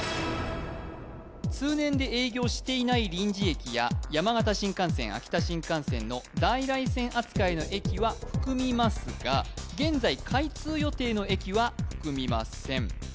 通年で営業していない臨時駅や山形新幹線秋田新幹線の在来線扱いの駅は含みますが現在開通予定の駅は含みません